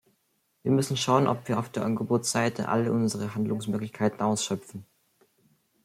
Wir müssen schauen, ob wir auf der Angebotsseite alle unsere Handlungsmöglichkeiten ausschöpfen.